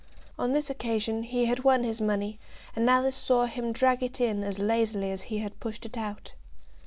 On this occasion he had won his money, and Alice saw him drag it in as lazily as he had pushed it out.